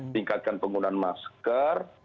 tingkatkan penggunaan masker